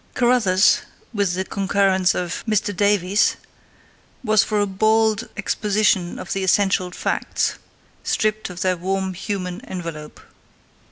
"Carruthers", with the concurrence of Mr "Davies", was for a bald exposition of the essential facts, stripped of their warm human envelope.